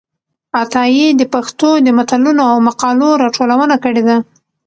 عطايي د پښتو د متلونو او مقالو راټولونه کړې ده.